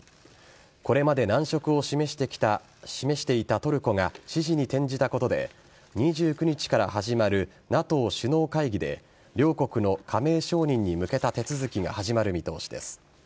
これまで難色を示していたトルコが支持に転じたことで２９日から始まるＮＡＴＯ首脳会議で両国の加盟承認に向けた手続きが始まる見通しです。